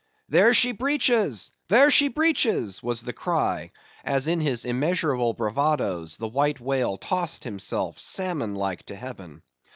"There she breaches! there she breaches!" was the cry, as in his immeasurable bravadoes the White Whale tossed himself salmon like to Heaven.